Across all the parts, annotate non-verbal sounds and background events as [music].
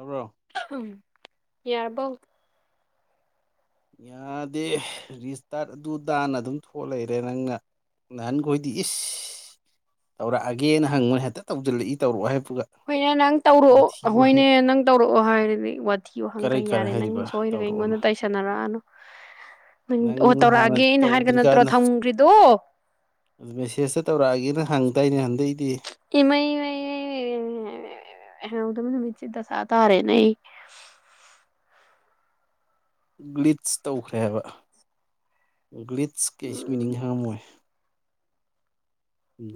ꯑ꯭ꯔꯣ ꯌꯥꯔꯕꯣ ꯌꯥꯗꯦ ꯔꯤꯁꯇꯥꯔꯠ ꯑꯗꯨ ꯑꯗꯥꯅ ꯑꯗꯨꯝ ꯊꯣꯛꯑ ꯂꯩꯔꯦ ꯅꯪꯅ ꯅꯍꯥꯟꯈꯣꯏꯗꯤ ꯏꯁ ꯇꯧꯔꯛꯑꯒꯦꯅ ꯍꯪꯕꯅꯤ ꯍꯦꯛꯇ ꯇꯧꯁꯤꯜꯂꯛꯏ ꯇꯧꯔꯛꯑꯣ ꯍꯥꯏ ꯍꯣꯏꯅꯦ ꯅꯪ ꯇꯧꯔꯛꯑꯣ ꯍꯣꯏꯅꯦ ꯅꯪ ꯇꯧꯔꯛꯑꯣ ꯍꯥꯏꯔꯗꯤ ꯋꯥꯊꯤ ꯋꯥꯍꯪꯒ ꯀꯔꯥꯏ ꯀꯔꯥꯏ ꯌꯥꯔꯦ ꯅꯪ ꯍꯥꯏꯔꯤꯕ ꯁꯣꯏꯔꯒ ꯇꯧꯔꯛꯑꯣꯅ ꯑꯩꯉꯣꯟꯗ ꯇꯥꯏꯁꯟꯅ [unintelligible] ꯅꯪ ꯑꯣ ꯍꯥꯟꯅ ꯇꯧꯔꯛꯑꯒꯦꯅ ꯍꯥꯏꯔꯒ ꯅꯠꯇ꯭ꯔꯣ ꯇꯧꯗ꯭ꯔꯤꯀꯥꯟꯗ ꯊꯝꯒ꯭ꯔꯤꯗꯨ꯫ ꯃꯦꯁꯦꯁꯇ ꯇꯧꯔꯛꯑꯒꯦꯅ [unintelligible] ꯏꯃꯩ ꯃꯩ ꯃꯩ [unintelligible] [unintelligible] ꯗꯁꯥ ꯇꯔꯦꯅꯦ ꯑꯩ꯫ ꯒ꯭ꯂꯤꯠꯁ ꯇꯧꯈ꯭ꯔꯦ ꯍꯥꯏꯕ ꯒ꯭ꯂꯤꯠ [unintelligible] ꯎꯝ ꯃꯤꯅꯤꯡ ꯈꯪꯉꯝꯃꯣꯏ꯫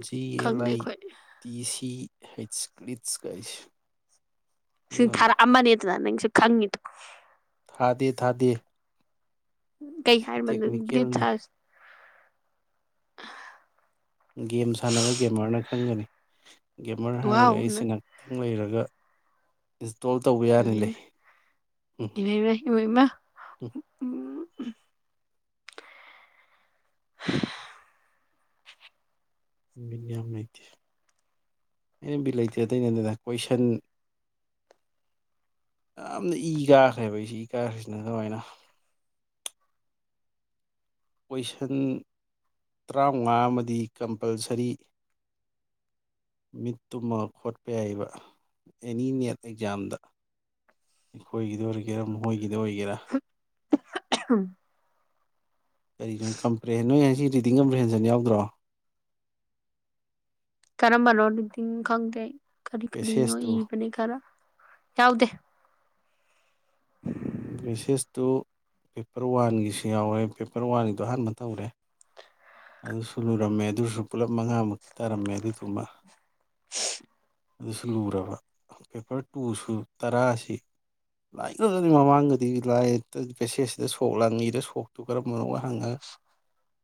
ꯖꯤ ꯑꯦꯜ ꯈꯪꯗꯦ ꯑꯥꯏ ꯑꯩꯈꯣꯏ ꯇꯤ ꯏ ꯁꯤ꯫ ꯍꯩꯁ ꯀ꯭ꯔꯤꯠꯁ ꯀꯥꯏꯁ ꯁꯤ ꯊꯔꯥꯑꯃꯅꯤ ꯑꯗꯨꯅ ꯅꯪꯁꯨ ꯈꯪꯉꯤꯗꯨ꯫ ꯊꯥꯗꯦ ꯊꯥꯗꯦ꯫ ꯀꯩ ꯁꯤ ꯍꯥꯏꯔꯝꯕꯅꯣ ꯗꯤꯄ ꯇꯦꯛꯅꯤꯀꯦꯜꯅꯤ ꯁꯔꯁ [unintelligible] ꯒꯦꯝ ꯁꯥꯟꯅꯕ ꯒꯦꯝꯃꯔꯅ ꯈꯪꯒꯅꯤ꯫ ꯒꯦꯃꯔ ꯍꯥꯏꯔꯒ ꯋꯥꯎ ꯑꯩꯁꯤ ꯉꯥꯛꯇꯪ ꯂꯩꯔ [unintelligible] ꯎꯝ ꯏꯃꯩ ꯃꯩ ꯏꯃꯥꯏ ꯃꯥ ꯎꯝ [unintelligible] [unintelligible] ꯕꯤꯟ ꯌꯥꯝ ꯂꯩꯇꯦ ꯑꯩꯅ ꯕꯤꯜ ꯂꯩꯇꯦ ꯑꯇꯩ ꯅꯇꯦꯗ ꯀꯣꯏꯁꯟ ꯌꯥꯝꯅ ꯏ ꯀꯥꯈ꯭ꯔꯦꯕ ꯑꯩꯖꯤ ꯏ ꯀꯥꯈ꯭ꯔꯁꯤꯅ ꯑꯗꯨꯃꯥꯏꯅ ꯀꯣꯏꯁꯟ ꯇꯔꯥꯃꯉꯥ ꯑꯃꯗꯤ ꯀꯝꯄꯜꯁꯔꯤ ꯃꯤꯠ ꯇꯨꯝꯃꯒ ꯈꯣꯠꯄ ꯌꯥꯏꯕ ꯑꯦꯅꯤ ꯅꯦꯠ ꯑꯦꯛꯖꯥꯝꯗ ꯑꯩꯈꯣꯏꯒꯤꯗ ꯑꯣꯏꯒꯦꯔꯥ ꯃꯈꯣꯏꯒꯤꯗ ꯑꯣꯏꯒꯦꯔꯥ [unintelligible] ꯀꯔꯤꯅꯣ ꯀꯝꯄ꯭ꯂꯦꯟ ꯅꯣꯏ ꯉꯁꯤ ꯔꯤꯗꯤꯡ ꯑꯃ ꯍꯦꯟꯖꯟ ꯌꯥꯎꯗ꯭ꯔꯣ꯫ ꯀꯔꯝꯕꯅꯣ ꯔꯤꯗꯤꯡ ꯈꯪꯗꯦ ꯑꯩ꯫ ꯀꯔꯤ ꯀꯔꯤꯅꯣ ꯄꯦꯁꯦꯁꯇꯨ ꯏꯕꯅꯦ ꯈꯔ ꯌꯥꯎꯗꯦ꯫ ꯄꯦꯁꯦꯁꯇꯨ ꯄꯦꯄꯔ ꯋꯥꯟꯒꯤꯁꯨ ꯌꯥꯎꯔꯦ ꯄꯦꯄꯔ ꯋꯥꯟꯒꯤꯗꯣ ꯑꯍꯥꯟꯕ ꯇꯧꯔꯦ꯫ ꯑꯗꯨꯁꯨ ꯂꯨꯔꯝꯃꯦ ꯑꯗꯨꯁꯨ ꯄꯨꯂꯞ ꯃꯉꯥꯃꯛꯇꯤ ꯇꯥꯔꯝꯃꯦ ꯑꯗꯨꯏꯗꯨꯃ꯫ ꯑꯗꯨꯁꯨ ꯂꯨꯔꯕ ꯄꯦꯄꯔ ꯇꯨꯁꯨ ꯇꯔꯥꯁꯤ ꯂꯥꯏ [unintelligible] ꯃꯃꯥꯡꯗꯗꯤ ꯂꯥꯏ ꯄꯦꯁꯦꯖꯁꯤꯗ ꯁꯣꯛ ꯂꯥꯡꯉꯤꯗ ꯁꯣꯛꯇꯨ ꯀꯔꯝꯕꯅꯣ ꯍꯪꯉꯒ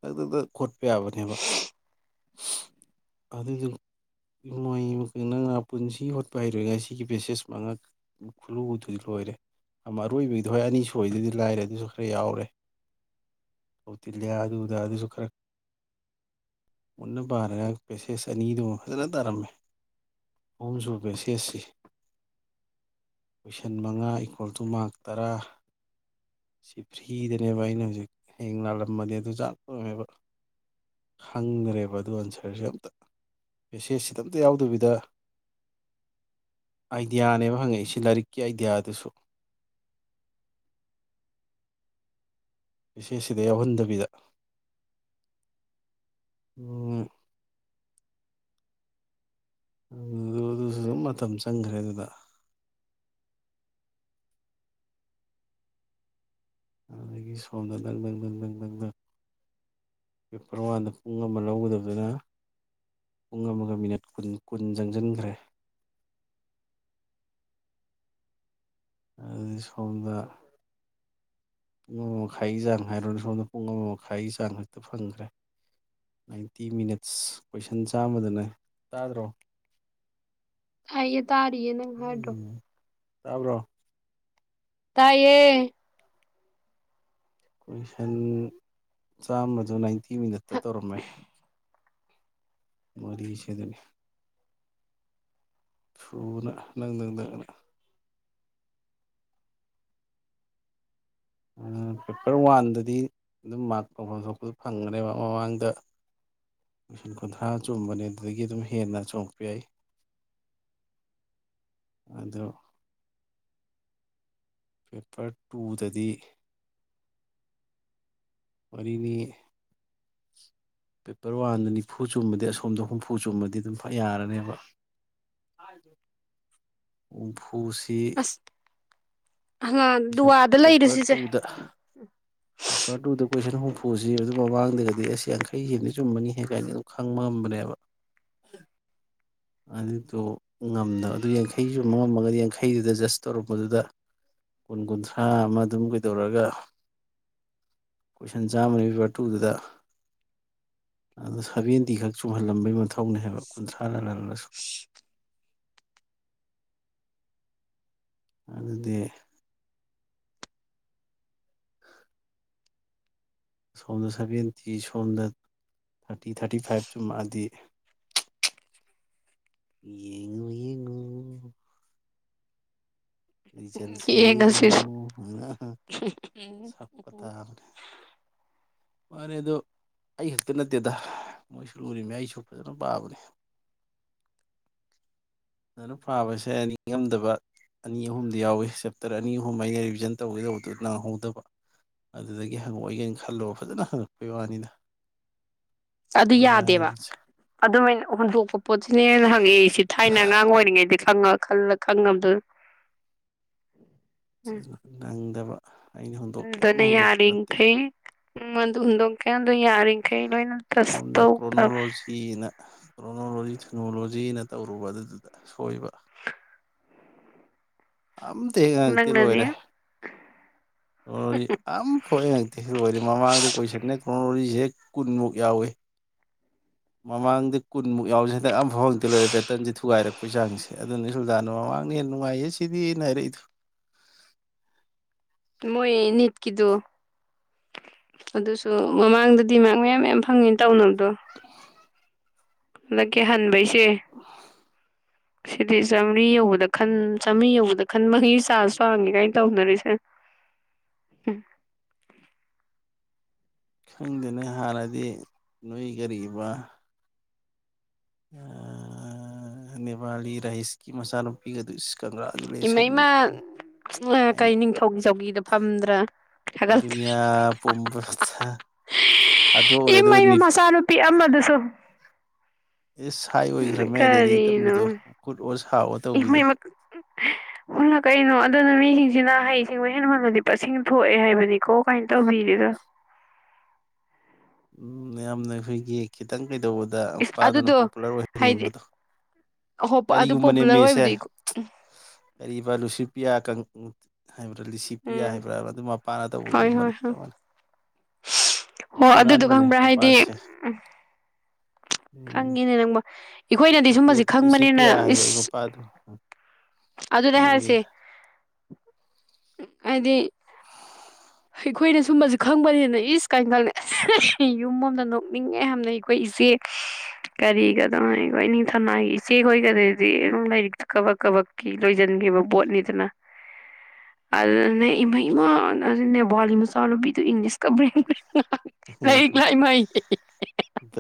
ꯑꯗꯨꯗ [unintelligible] ꯌꯥꯕꯅꯦꯕ꯫ ꯑꯗꯨꯗꯤ ꯅꯣꯏ [unintelligible] ꯄꯨꯟꯁꯤ ꯍꯣꯠꯄ ꯍꯩꯔꯣꯏꯏ ꯉ ꯁꯤꯒꯤ ꯄꯦꯁꯦꯁ ꯃꯉꯛ ꯈꯨꯜꯂꯨꯗꯨꯗꯤ ꯂꯣꯏꯔꯦ ꯑꯔꯣꯏꯕꯒꯤꯗꯣ ꯍꯣꯏ ꯑꯅꯤ ꯁꯣꯏꯗꯗꯤ ꯂꯥꯏꯔꯦ ꯑꯗꯨꯁꯨ ꯈꯔ ꯌꯥꯎꯔꯦꯧ ꯇꯤꯜꯂꯦ ꯑꯗꯨꯗ ꯑꯗꯨꯁꯨ ꯈꯔ ꯃꯨꯟꯅ ꯄꯥꯔꯒ ꯄꯦꯁꯦꯁ ꯑꯅꯤꯗꯨꯃ ꯐꯖꯅ ꯇꯥꯔꯝꯃꯦ ꯑꯍꯨꯝꯁꯨꯕ ꯄꯦꯁꯦꯁꯁꯤ ꯀꯣꯏꯁꯟ ꯃꯉꯥ ꯏꯀꯣꯜ ꯇꯨ ꯃꯥꯛ ꯇꯔꯥ ꯁꯤ ꯐ꯭ꯔꯤꯗꯅꯦꯕ ꯑꯩꯅ ꯍꯧꯖꯤꯛ ꯍꯌꯦꯡ ꯂꯥꯜꯂꯝꯃꯗꯤ ꯑꯗꯨ ꯆꯥꯛꯇꯣꯏꯃꯦꯕ꯫ ꯈꯪꯒ꯭ꯔꯦꯕ ꯑꯗꯨ ꯑꯟꯁꯔꯁꯦ ꯑꯝꯇ ꯄꯦꯁꯦꯖꯁꯤꯗ ꯑꯝꯇ ꯌꯥꯎꯗꯕꯤꯗ ꯑꯥꯏꯗꯤꯌꯥꯅꯦꯕ ꯍꯪꯉꯛꯏꯁꯤ ꯂꯥꯏꯔꯤꯛꯀꯤ ꯑꯥꯏꯗꯤꯌꯥꯗꯨꯁꯨ ꯄꯦꯁꯦꯁꯤꯗ ꯌꯥꯎꯍꯟꯗꯕꯤꯗ ꯑꯗꯨ ꯑꯗꯨꯁꯨ ꯑꯗꯨꯝ ꯃꯇꯝ ꯆꯪꯈ꯭ꯔꯦ ꯑꯗꯨꯗ꯫ ꯑꯗꯨꯗꯒꯤ ꯁꯣꯝꯗ ꯅꯪ ꯅꯪ ꯅꯪ ꯅꯪ ꯅꯪ ꯅꯪ ꯄꯦꯄꯔ ꯋꯥꯟꯗ ꯄꯨꯡ ꯑꯃ ꯂꯧꯒꯗꯕꯗꯨꯅ ꯄꯨꯡ ꯑꯃꯒ ꯃꯤꯅꯠ ꯀꯨꯟ ꯀꯨꯟ ꯆꯪꯖꯟꯒ꯭ꯔꯦ꯫ ꯑꯗꯨꯗꯤ ꯁꯣꯝꯗ ꯄꯨꯡ ꯑꯃ ꯃꯈꯥꯏꯒꯤ ꯆꯥꯡ ꯍꯥꯏꯔꯣꯅꯦ ꯁꯣꯝꯗ ꯄꯨꯡ ꯑꯃ ꯃꯈꯥꯏꯒꯤ ꯆꯥꯡ ꯈꯛꯇ ꯐꯪꯗ꯭ꯔꯦ ꯅꯥꯏꯟꯇꯤ ꯃꯤꯅꯠꯁ ꯀꯣꯏꯁꯟ ꯆꯥꯝꯃꯗꯅꯦ ꯇꯥꯗ꯭ꯔꯣ ꯇꯥꯏꯌꯦ ꯇꯥꯔꯤꯌꯦ ꯅꯪ ꯍꯥꯏꯗꯣ ꯇꯥꯕ꯭ꯔꯣ ꯇꯥꯏꯌꯦ ꯀꯣꯏꯁꯟ ꯆꯥꯝꯃꯗꯣ ꯅꯥꯏꯟꯇꯤ ꯇꯤ ꯃꯤꯅꯠꯇ ꯇꯧꯔꯝꯃꯦ ꯃꯔꯤ ꯁꯤꯗꯅꯤ ꯁꯨꯅ ꯅꯪ ꯅꯪꯗꯪꯅ ꯄꯦꯄꯔ ꯋꯥꯟꯗꯗꯤ ꯑꯗꯨꯝ ꯃꯥꯔꯛ ꯇꯧꯐꯝ ꯊꯣꯛꯄꯁꯨ ꯐꯪꯒꯅꯦꯕ ꯃꯃꯥꯡꯗ ꯀꯣꯏꯁꯟ ꯀꯨꯟꯊ꯭ꯔꯥ ꯆꯨꯝꯕꯅꯦ ꯑꯗꯨꯗꯒꯤ ꯑꯗꯨꯝ ꯍꯦꯟꯅ ꯆꯣꯡꯉꯛꯄ ꯌꯥꯏ ꯑꯗꯨ ꯄꯦꯄꯔ ꯇꯨꯗꯗꯤ ꯃꯔꯤꯅꯤ ꯄꯦꯄꯔ ꯋꯥꯟꯗ ꯅꯤꯐꯨ ꯆꯨꯝꯕꯗꯤ ꯑꯁꯣꯝꯗ ꯍꯨꯝꯐꯨ ꯆꯨꯝꯃꯗꯤ ꯑꯗꯨꯝ ꯌꯥꯔꯅꯤꯕ ꯍꯨꯝꯐꯨ ꯄꯨꯁꯤ ꯑꯁ ꯍꯂꯥꯟ ꯗꯨꯋꯥꯗ ꯂꯩꯔꯦ ꯄꯦꯄꯔ ꯁꯤꯁꯦ ꯇꯨꯗ ꯄꯦꯄꯔ ꯇꯨꯗ ꯀꯣꯏꯁꯟ ꯍꯨꯝꯐꯨꯁꯤ ꯑꯗꯨ ꯃꯃꯥꯡꯗꯒꯗꯤ ꯑꯁ ꯌꯥꯡꯈꯩ ꯍꯗꯤ ꯆꯨꯝꯃꯅꯤꯍꯦ ꯀꯥꯏꯅ ꯑꯗꯨꯝ ꯈꯪꯕ ꯉꯝꯕꯅꯦꯕ ꯑꯗꯨꯗꯣ ꯉꯝꯗꯕ ꯑꯗꯨ ꯌꯥꯡꯈꯩ ꯆꯨꯝꯕ ꯉꯝꯃꯒꯗꯤ ꯌꯥꯡꯈꯩꯗꯨꯗ ꯖꯁ ꯇꯧꯔꯛꯄꯗꯨꯗ ꯀꯨꯟ ꯀꯨꯟꯊ꯭ꯔꯥ ꯑꯃ ꯑꯗꯨꯝ ꯀꯩꯗꯧꯔꯒ ꯀꯣꯏꯁꯟ ꯆꯥꯝꯃꯅꯤ ꯄꯦꯄꯥꯔ ꯇꯨꯗꯨꯗ ꯑꯗꯨ ꯁꯚꯦꯟꯇꯤ ꯈꯛ ꯆꯨꯝꯍꯜꯂꯝꯕꯩ ꯃꯊꯧꯅꯦ ꯍꯥꯏꯕ ꯀꯨꯟꯊ꯭ꯔꯥ ꯂꯜꯍꯜꯂꯁꯨ ꯑꯗꯨꯗꯤ ꯁꯣꯝꯗ ꯁꯚꯦꯟꯇꯤ ꯁꯣꯝꯗ ꯊꯥꯔꯇꯤ ꯊꯥꯔꯇꯤ ꯐꯥꯏꯚ ꯆꯨꯝꯃꯛꯑꯗꯤ ꯌꯦꯡꯉꯨ ꯌꯦꯡꯉꯨ ꯔꯤꯖꯜꯁꯤ ꯌꯦꯡ ꯉꯁꯤꯁꯦ ꯌꯦꯡꯉꯨ ꯎꯝ ꯁꯛꯄ ꯇꯥꯕꯅꯦ ꯃꯥꯅꯦ ꯑꯗꯣ ꯑꯩ ꯈꯛꯇ ꯅꯠꯇꯦꯗ ꯃꯣꯏꯁꯨ ꯂꯨꯔꯤꯅꯤ ꯑꯩꯁꯨ ꯐꯖꯅ ꯄꯥꯕꯅꯦ ꯑꯗꯨꯝ ꯄꯥꯕꯁꯦ ꯅꯤꯉꯝꯗꯕ ꯑꯅꯤ ꯑꯍꯨꯝꯗꯤ ꯌꯥꯎꯋꯤ ꯆꯦꯞꯇꯔ ꯑꯅꯤ ꯑꯍꯨꯝ ꯑꯩꯅ ꯔꯤꯚꯤꯖꯟ ꯇꯧꯒꯦꯗꯧꯕꯗꯨ ꯅꯪꯍꯧꯗꯕ ꯑꯗꯨꯗꯒꯤ ꯍꯪꯉꯛꯑꯣꯏꯒꯦꯅ ꯈꯜꯂꯨ ꯐꯖꯅ ꯍꯪꯉꯛꯄꯩ ꯋꯥꯅꯤꯗ ꯑꯗꯨ ꯌꯥꯗꯦꯕ ꯑꯗꯨ ꯑꯣꯏꯅ ꯍꯨꯟꯗꯣꯛꯄ ꯄꯣꯠꯁꯤꯅ ꯍꯦꯟꯅ ꯍꯪꯉꯛꯏꯁꯤ ꯊꯥꯏꯅ ꯑꯉꯥꯡ ꯑꯣꯏꯔꯤꯉꯩꯗꯩ ꯈꯪꯉꯛ ꯂ ꯈꯪꯉꯝꯗꯨ ꯅꯪꯗꯕ ꯑꯩꯅ ꯍꯨꯟꯗꯣꯛꯀꯦ ꯌꯥꯝꯅ ꯍꯨꯟꯗꯣꯛꯄ ꯅꯠꯇꯦ ꯎꯝ ꯑꯗꯨ ꯍꯨꯟꯗꯣꯛꯀꯦ ꯌꯥꯎ ꯑꯗꯨ ꯌꯥꯔꯤꯃꯈꯩ ꯂꯣꯏꯅ ꯇꯁ ꯁꯣꯝꯗ ꯇꯧꯒꯗꯕ ꯀ꯭ꯔꯣꯅꯣꯂꯣꯖꯤꯅ ꯀ꯭ꯔꯣꯅꯣꯂꯣꯖꯤ [unintelligible] ꯅꯣꯂꯣꯖꯤꯅ ꯇꯧꯔꯨꯕ ꯑꯗꯨꯗꯨꯗ ꯁꯣꯏꯕ ꯑꯝꯇ ꯍꯦꯛ ꯍꯪꯉꯛꯇꯦ ꯅꯪꯅꯗꯤ ꯂꯣꯏꯔꯦ ꯍꯣꯏ ꯑꯝꯐꯧ ꯍꯦꯛ ꯍꯪꯉꯛꯇꯦ ꯂꯣꯏꯔꯦ ꯃꯃꯥꯡꯗ ꯀꯣꯏꯁꯟꯄ ꯀꯣꯅꯣꯂꯣꯖꯥꯁꯦ ꯀꯨꯟꯃꯨꯛ ꯌꯥꯎꯋꯤ ꯃꯃꯥꯡꯗ ꯀꯨꯟꯃꯨꯛ ꯌꯥꯎꯁꯦ ꯍꯟꯗꯛ ꯑꯝꯐꯥꯎ ꯍꯪꯇꯦ ꯂꯣꯏꯔꯦ ꯄꯦꯇꯔꯟꯁꯦ ꯊꯨꯒꯥꯏꯔꯛꯄꯩ ꯆꯥꯡꯁꯦ ꯑꯗꯨꯅ ꯁꯨꯜꯇꯥꯥꯟꯗ ꯃꯃꯥꯡꯅ ꯍꯦꯟꯅ ꯅꯨꯡꯉꯥꯏꯌꯦ ꯁꯤꯗꯤꯅ ꯍꯥꯏꯔꯛꯏꯗꯨ ꯃꯣꯏ ꯅꯤꯠꯀꯤꯗꯣ ꯑꯗꯨꯁꯨ ꯃꯃꯥꯡꯗ ꯗꯤꯃꯥꯛ ꯃꯌꯥꯝ ꯃꯌꯥꯝ ꯐꯪꯉꯤꯅ ꯇꯧꯅꯝ ꯗꯣ ꯃ ꯀꯤꯍꯟꯕꯩ ꯁ ꯆꯦ ꯁꯤꯗꯤ ꯆꯥꯝꯃꯔꯤ ꯌꯧꯕꯗ ꯈꯟ ꯆꯥꯝꯃꯔꯤ ꯌꯧꯕꯗ ꯈꯟ ꯃꯈꯩꯒꯤ ꯆꯥꯟꯖ ꯋꯥꯡꯉꯦ ꯀꯥꯏꯅ ꯇꯧꯅꯔꯤꯁꯦ ꯎꯝ ꯈꯪꯗꯅ ꯍꯥꯟꯅꯗꯤ ꯅꯣꯏ ꯀꯔꯤꯕ ꯑ ꯅꯦꯄꯥꯔꯤ ꯔꯥꯏꯁꯀꯤ ꯃꯆꯥ ꯅꯨꯄꯤꯒꯗꫭ ꯏꯃꯩꯃ ꯍꯥꯏꯅ ꯀꯩ ꯅꯤꯡꯊꯧꯒꯤꯖꯧꯒꯤꯗ ꯐꯝꯗ꯭ꯔꯥ ꯊꯒꯠ ꯗꯨꯅꯤꯌꯥ ꯄꯨꯝꯕ ꯊꯥꯗꯣꯛꯎꯔꯦ ꯑꯗꯨꯒ ꯏꯃꯩꯃ ꯅꯤꯠ ꯃꯆꯥꯅꯨꯄꯤ ꯑꯃꯗꯨꯁꯨ ꯑꯦꯁ ꯍꯥꯏ ꯎꯝ ꯑꯣꯏꯈ꯭ꯔꯃꯦ ꯗꯦꯜꯂꯤ ꯀꯔꯤꯅꯣ ꯇꯝꯕꯤꯗꯣ ꯈꯨꯠ ꯑꯣ ꯁꯥꯑꯣ ꯇꯧꯕꯤꯗꯣ ꯏꯃꯩ ꯍꯟꯅ ꯀꯩꯅꯣ ꯑꯗꯨꯅ ꯃꯤ ꯁꯤꯅ ꯍꯩꯁꯤꯡꯕ ꯍꯦꯟꯃꯂꯗꯤ ꯄꯁꯤꯡ ꯊꯣꯛꯑꯦ ꯍꯥꯏꯕꯅꯤꯀꯣ ꯀꯃꯥꯏꯅ ꯇꯧꯕꯤꯔꯤꯗ ꯎꯝ ꯌꯥꯝꯅ ꯑꯩꯈꯣꯏꯒꯤ ꯈꯤꯇꯪ ꯀꯩꯗꯧꯕꯗ ꯏꯁ ꯐꯥꯗꯅ ꯑꯗꯨꯗꯣ ꯄꯣꯄꯨꯂꯔ ꯍꯥꯏꯗꯤ ꯑꯣꯏꯍꯟꯅꯤꯡꯕꯗꯣ ꯑꯍꯣ ꯑꯗꯨ ꯀꯔꯤꯒꯨꯝꯕꯅꯦ ꯄꯣꯄꯨꯂꯔ ꯃꯦꯁꯦ ꯑꯣꯏꯕꯗꯤ ꯀꯔꯤꯕ ꯂꯨꯁꯤꯄꯤꯌꯥ ꯀꯪ ꯍꯥꯏꯕ꯭ꯔꯥ ꯂꯤꯁꯤ ꯄ꯭ꯔꯤꯌꯥ ꯎꯝ ꯍꯥꯏꯕ꯭ꯔꯥ ꯑꯗꯨ ꯃꯄꯥꯅ ꯍꯣꯏ ꯍꯣꯏ ꯇꯧꯕꯒꯨꯝꯕꯅꯦ ꯍꯣꯏ ꯆꯞ ꯃꯥꯟꯅꯩ ꯍꯣ ꯑꯗꯨꯗꯣ ꯍꯨꯔꯥꯟꯕꯅꯦ ꯈꯪꯕ꯭ꯔꯥ ꯍꯥꯏꯗꯤ ꯃꯄꯥꯁꯦ ꯎꯝ ꯈꯪꯉꯤꯅꯦ ꯅꯪꯕ ꯅꯠꯇꯦ ꯁꯤ ꯄꯌꯥ ꯍꯥꯏꯕ ꯑꯩ ꯅꯨꯄꯥꯗꯨ ꯑꯗꯨꯅꯦ ꯍꯥꯏꯔꯁꯦ ꯑꯗꯤ ꯑꯩꯈꯣꯏꯅ ꯁꯨꯝꯕꯁꯨ ꯈꯪꯕꯅꯤꯅ ꯏꯁ ꯀꯥꯏꯅ ꯈꯪꯂꯦ ꯑꯁ ꯌꯨꯝ ꯑꯃꯣꯝꯗ ꯅꯣꯛꯅꯤꯡꯉꯦ ꯌꯥꯝꯅꯩ ꯑꯩꯈꯣꯏ ꯏꯆꯦ ꯀꯔꯤꯒꯗꯧꯣ ꯑꯩꯈꯣꯏ ꯅꯤꯡꯊꯝꯅꯥꯒꯤ ꯏꯆꯦꯈꯣꯏꯒꯗꯗꯤ ꯑꯗꯨꯝ ꯂꯥꯏꯔꯤꯛꯇ ꯀꯕꯛ ꯀꯕꯛꯀꯤ ꯂꯣꯏꯁꯤꯟꯈꯤꯕ ꯄꯕꯣꯠꯅꯤꯗꯅ ꯑꯗꯨꯅ ꯏꯃꯩꯃꯥ ꯑꯗꯨ ꯅꯕꯣꯂꯤꯕꯨ ꯆꯂꯣꯤ ꯇꯨ ꯏꯪꯂꯤꯁꯀꯕ꯭ꯔ ꯎꯝ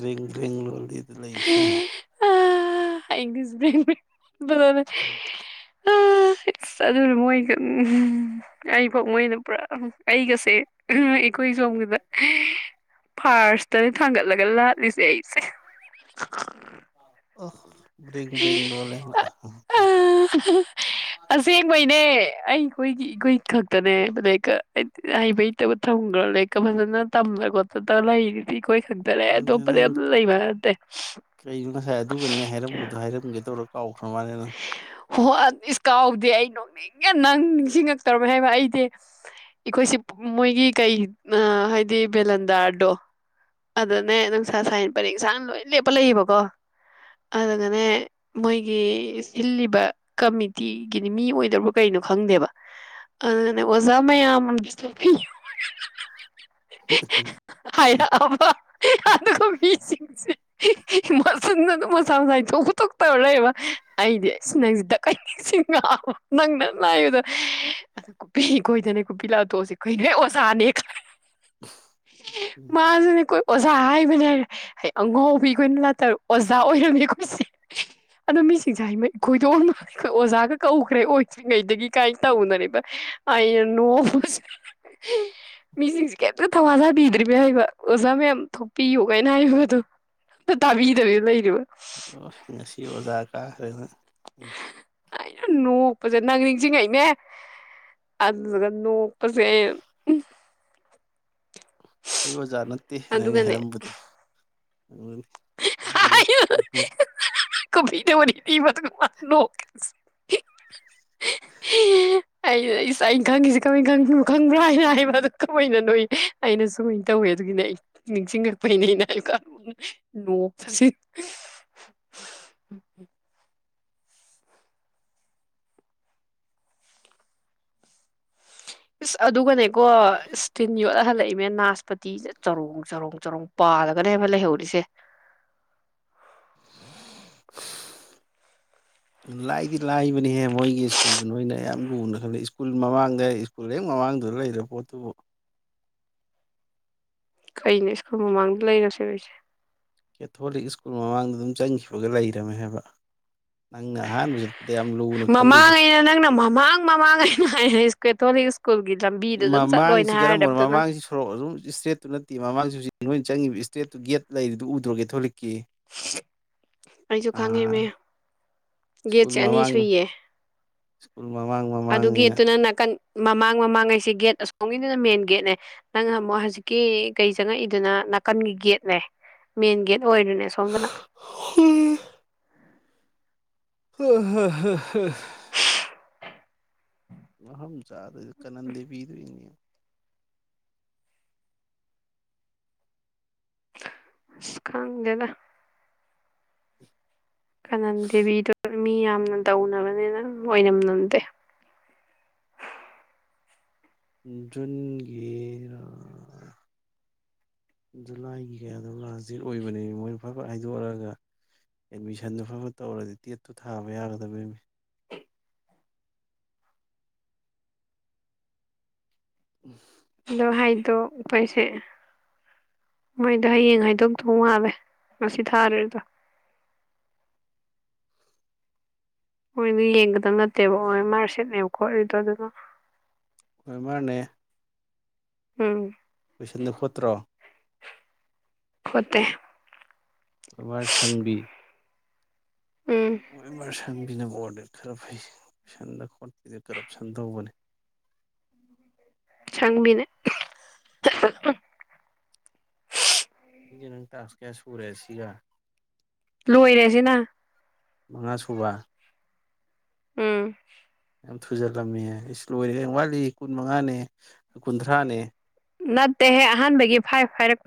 ꯔꯤ ꯔꯤ ꯂ ꯑꯗꯨ ꯂꯩꯈ꯭ꯔꯦ ꯏꯪꯂꯤꯁ [unintelligible] ꯑꯗꯨꯅ ꯃꯣꯏꯒ ꯑꯩꯐꯥꯎ ꯃꯣꯏꯅ ꯄꯨꯔꯥ ꯑꯩꯒꯁꯦ ꯑꯩꯈꯣꯏ ꯁꯣꯝꯒꯤꯗ ꯐꯔꯁꯇ ꯊꯥꯡꯒꯠꯂꯒꯠ ꯂꯥꯂꯤꯁꯦ ꯑꯩꯁꯦ [unintelligible] ꯑꯣꯐ ꯑꯁꯦꯡꯕꯩꯅꯦ ꯑꯩꯈꯣꯏꯒꯤ ꯏꯈꯣꯏ ꯈꯛꯇꯅꯦ ꯂ ꯍꯩꯕ ꯍꯩꯇꯕ ꯊꯝꯈ꯭ꯔꯥ ꯂꯔꯤꯛꯀ ꯐꯖꯅ ꯇꯝꯗ ꯈꯣꯠꯇ ꯂꯩꯔꯤꯗꯤ ꯑꯩꯈꯣꯏ ꯈꯛꯇꯔꯦ ꯑꯗꯨꯗꯤ ꯑꯇꯣꯞꯄꯗꯤ ꯅꯪ ꯑꯝ ꯂꯩꯕ ꯅꯠꯇꯦ ꯍꯥꯏꯔꯝꯕꯣ ꯍꯥꯏꯔꯝꯒꯦ ꯇꯧꯔꯛ ꯀꯥꯎꯈꯨꯝꯃꯅꯤ ꯍꯣ ꯏꯁ ꯀꯥꯎꯗꯦ ꯑꯩ ꯅꯣꯡꯅꯤꯡꯉ ꯅꯪ ꯅꯤꯡꯁꯤꯡꯉꯛꯇꯧꯔꯝꯃꯦ ꯍꯥꯏꯕ ꯑꯩꯗꯤ ꯑꯩꯈꯣꯏꯁꯦ ꯃꯣꯏꯒꯤ ꯀꯩ ꯍꯥꯏꯗꯤ ꯕꯦꯂꯟꯗꯥꯔꯗꯣ ꯑꯗꯨꯅꯦ ꯅꯪ ꯁꯥ ꯁꯥꯏꯟ ꯄꯔꯦꯡ ꯁꯥꯥꯡꯅ ꯂꯣꯏ ꯂꯦꯞꯄ ꯂꯩꯌꯦꯕꯀꯣ ꯑꯗꯨꯒꯅꯦ ꯃꯣꯏꯒꯤ ꯏꯜꯂꯤꯕ ꯀꯃꯤꯇꯤꯒꯤꯅꯤ ꯃꯤ ꯑꯣꯏꯗꯕ ꯀꯩꯅꯣ ꯈꯪꯗꯦꯕ ꯑꯗꯨꯅ ꯑꯣꯖꯥ ꯃꯌꯥꯝ ꯑ ꯊꯣꯛꯄꯤ ꯍꯕ ꯑ ꯃꯤꯁꯤꯡꯁꯤ ꯃꯁꯟꯗ ꯑꯗꯨ ꯃꯁꯥ ꯃꯁꯥꯏ ꯊꯣꯛꯄ ꯇꯧꯔ ꯂꯩꯕ ꯋꯥ ꯑꯩꯗꯤ ꯑꯁ ꯅꯪꯁꯤꯗ ꯀꯩꯁꯤ ꯅꯪꯅ ꯂꯥꯛꯕꯗꯣ ꯑꯗꯨ ꯀꯣꯄꯤ ꯈꯣꯏꯗꯅꯦ ꯀꯣꯄꯤ ꯂꯥꯛꯊꯣꯛꯁꯤ ꯈꯨꯏꯅꯣꯏ ꯑꯣꯖꯥꯅꯦ ꯈ ꯃꯥꯁꯨꯅꯦ ꯀꯣ ꯑꯣꯖꯥ ꯍꯥꯏꯕꯅꯦ ꯍꯥꯏꯔ ꯑꯉꯥꯎꯕꯤ ꯑꯩꯈꯣꯏꯅ ꯂꯥꯛꯇꯥꯔ ꯑꯣꯖꯥ ꯑꯣꯏꯔꯝꯃꯤ ꯑꯩꯈꯣꯏꯁꯦ ꯑꯗꯣ ꯃꯤꯁꯤ ꯑꯩꯈꯣꯏꯗꯣꯛꯅ ꯑꯣꯖꯥꯒ ꯀꯧꯈ꯭ꯔꯦ ꯑꯣꯏꯗ꯭ꯔꯤꯉꯩꯗꯒꯤ ꯀꯥꯏꯅ ꯇꯧꯅꯔꯤꯕ ꯑꯩꯅ ꯅꯣꯛꯄꯁꯤ ꯃꯤꯁꯤꯡꯁꯦ ꯀꯩꯝꯇ ꯊꯋꯥ ꯁꯥꯕꯤꯗ꯭ꯔꯤꯕꯅꯦ ꯍꯥꯏꯕ ꯑꯣꯖꯥ ꯃꯌꯥꯝ ꯊꯣꯛꯄꯤꯌꯨ ꯀꯥꯏꯅ ꯍꯥꯏꯕꯗꯣ ꯑꯝꯇ ꯇꯥꯕꯤꯗꯕꯤ ꯂꯩꯔꯤꯕ ꯑꯣ ꯉꯁꯤ ꯑꯣꯖꯥ ꯀꯥ ꯍꯣꯏꯍꯣꯏ ꯎꯝ ꯑꯩꯅ ꯅꯣꯛꯄꯁꯦ ꯅꯪ ꯅꯤꯡꯁꯤꯡꯉꯩꯅꯦ ꯑꯗꯨꯗꯨꯒ ꯅꯣꯛꯄꯁꯦ ꯑꯩ ꯑꯣꯖꯥꯅ ꯅꯠꯇꯦ ꯑꯩꯅ ꯑꯗꯨꯒꯅꯦ ꯍꯥꯏꯔꯝꯕꯗꯣ [unintelligible] ꯀꯃ ꯇꯧꯕꯅꯤꯕ ꯑ ꯑꯩꯅ ꯈꯪꯉꯁꯤꯦ ꯀꯃ ꯈꯅꯣ ꯈꯪꯕ꯭ꯔꯥ ꯍꯥꯏꯅ ꯍꯥꯏꯕ ꯑꯗꯨ ꯀꯃꯥꯏꯅ ꯅꯣꯏ ꯑꯩꯅ ꯁꯨꯃꯥꯏꯅ ꯇꯧꯋꯦ ꯑꯗꯨꯒꯤꯅꯦ ꯑꯩ ꯅꯤꯡꯁꯤꯡꯉꯛꯄꯒꯤꯅꯦ ꯑꯩꯅ ꯍꯥꯏ ꯅꯣꯛꯄ [unintelligible] ꯏꯁ ꯑꯗꯨꯒꯅꯦꯀꯣ ꯏꯁ ꯇꯤꯟ ꯌꯣꯠꯂ ꯍꯜꯂꯛꯏꯃꯦ ꯅꯥꯁꯄꯇꯤꯁꯦ ꯆꯔꯣꯡ ꯆꯔꯣꯡ ꯆꯔꯣꯡ ꯄꯥꯜꯔꯒꯅꯦꯕ ꯂꯩꯍꯧꯔꯤꯁꯦ ꯂꯥꯏꯗꯤ ꯂꯥꯏꯕꯅꯤꯍꯦ ꯃꯣꯏꯒꯤ ꯁ꯭ꯀꯨꯜꯗꯨ ꯅꯣꯏꯅ ꯌꯥꯝ ꯂꯨꯅ ꯈꯜꯂꯤ ꯁ꯭ꯀꯨꯜ ꯃꯃꯥꯡꯗ ꯁ꯭ꯀꯨꯜ ꯍꯦꯛ ꯃꯃꯥꯡꯗꯨꯗ ꯂꯩꯔꯦ ꯄꯣꯠꯇꯨꯕꯨ ꯀꯩꯅꯣ ꯁ꯭ꯀꯨꯜ ꯃꯃꯥꯡꯗ ꯂꯩꯔꯁꯤ ꯀꯦꯊꯣꯂꯤꯛ ꯁ꯭ꯀꯨꯜ ꯃꯃꯥꯡꯗ ꯑꯗꯨꯝ ꯆꯪꯈꯤꯕꯒ ꯂꯩꯔꯝꯃꯦ ꯍꯥꯏꯕ ꯅꯪꯅ ꯑꯍꯥꯟꯕ ꯆꯠꯄꯗ ꯌꯥꯝ ꯂꯨꯅ ꯈꯜꯂꯤꯗꯣ ꯃꯥꯡ ꯃꯃꯥꯡꯉꯩꯅ ꯍꯥꯏ ꯀꯦꯊꯣꯂꯤꯛ ꯏꯁ ꯃꯃꯥꯡꯁꯤ ꯀꯔꯝꯕꯅꯣ ꯃꯃꯥꯡꯁꯤ ꯁꯣꯔꯣꯛ ꯑꯗꯨꯝ ꯏꯁꯇ꯭ꯔꯦꯠꯇꯨ ꯅꯠꯇꯦ ꯃꯃꯥꯡꯁꯤ ꯍꯧꯖꯤꯛ ꯅꯣꯏꯅ ꯆꯪꯉꯕ ꯏꯁꯇꯦꯠꯇꯨ ꯒꯦꯠ ꯂꯩꯔꯤꯗꯨ ꯎꯗ꯭ꯔꯣ ꯀꯦꯊꯣꯂꯤꯛ ꯑꯩꯁꯨ ꯈꯪꯉꯤꯃꯦ ꯑꯥ ꯁ꯭ꯀꯨꯜ ꯒꯦꯠꯁꯦ ꯑꯅꯤ ꯃꯃꯥꯡ ꯁꯨꯏꯌꯦ ꯁ꯭ꯀꯨꯜ ꯃꯃꯥꯡ ꯃꯃꯥꯡꯅꯤꯅ ꯑꯗꯨꯒꯦꯠꯇꯨꯅ ꯅꯀꯟ ꯃꯃꯥꯡ ꯃꯃꯥꯡꯉꯩꯁꯦ ꯒꯦꯠ ꯑꯁꯣꯝꯒꯤꯗꯨꯅ ꯃꯦꯟ ꯒꯦꯠꯅꯦ ꯅꯪꯅ ꯑꯃꯨꯛ ꯍꯧꯖꯤꯛꯀꯤ ꯀꯩ ꯆꯪꯉꯛꯏꯗꯨꯅ ꯅꯥꯀꯟꯒꯤ ꯒꯦꯠꯅꯦ ꯃꯦꯟ ꯒꯦꯠ ꯑꯣꯏꯔꯅꯦ ꯁꯣꯝꯗꯅ ꯍ ꯍ ꯍ ꯍ ꯆꯥꯗ꯭ꯔꯗꯤ ꯀꯥꯅꯟ ꯗꯦꯕꯤꯗꯨ ꯏꯅꯦ ꯈꯪꯗꯦꯗ ꯀꯅꯟꯗꯦꯕꯤꯗ ꯃꯤ ꯌꯥꯝꯅ ꯇꯧꯅꯕꯅꯤ ꯑꯣꯏꯅꯝ ꯅꯝꯗꯦ ꯖꯨꯟꯒꯤ ꯖꯨꯂꯥꯏꯒꯤ ꯀꯌꯥꯗꯣ ꯂꯥꯁ ꯗꯦꯠ ꯑꯣꯏꯕꯅꯦꯕ ꯃꯣꯏꯅ ꯐꯕ ꯍꯥꯏꯗꯣꯛꯑꯒ ꯑꯦꯠꯃꯤꯁꯟꯗꯨꯣ ꯐꯠ ꯐꯠ ꯇꯧꯔꯗꯤ ꯗꯦꯠꯇꯨ ꯊꯥꯕ ꯌꯥꯒꯗꯕꯅꯦꯅꯤ ꯎꯝ ꯑꯗꯣ ꯍꯥꯏꯗꯣꯛꯄꯩꯁꯦ ꯃꯣꯏꯗꯣ ꯍꯌꯦꯡ ꯍꯥꯏꯗꯣꯛꯇꯣ ꯃꯥꯜꯂꯦ ꯉꯁꯤ ꯊꯥꯔꯤꯗꯣ ꯃꯣꯏꯅ ꯌꯦꯡꯒꯗꯕ ꯅꯠꯇꯦꯕ ꯑꯣꯏ ꯃꯥꯔ ꯁꯤꯠꯅꯦꯕ ꯈꯣꯠꯂꯤꯗꯣ ꯑꯗꯨꯅ ꯍꯣꯏꯃꯅꯦ ꯎꯝ ꯀꯣꯏꯁꯟꯗ ꯈꯣꯠꯇ꯭ꯔꯣ ꯈꯣꯠꯇꯦ ꯑꯕꯥꯁ ꯍꯪꯕꯤ ꯎꯝ ꯕꯔ ꯁꯪꯕꯤ ꯅꯕꯨ ꯗꯤ ꯈꯔ ꯐꯩ ꯀꯟꯗ ꯈꯣꯠꯄ ꯀꯔꯞꯁꯟ ꯇꯧꯕꯅꯦ ꯁꯥꯡꯃꯤꯅꯦ ꯑꯩꯁꯦ ꯅꯪ ꯇꯥꯁ ꯀꯌꯥ ꯁꯨꯔꯦ ꯁꯤꯒ ꯂꯣꯏꯔꯦꯁꯤꯅ ꯃꯉꯥ ꯁꯕꯥꯥ ꯎꯝ ꯌꯥꯝ ꯊꯨꯖꯜꯂꯝꯃꯦ ꯏꯁ ꯂꯣꯏꯔꯦ ꯍ ꯋꯥꯠꯂꯤ ꯀꯨꯟ ꯃꯉꯥꯅꯦ ꯀꯨꯟꯊ꯭ꯔꯥꯅꯦ ꯅꯠꯇꯦꯍꯦ ꯑꯍꯥꯟꯕꯒꯤ ꯍꯥꯏꯔꯛꯄ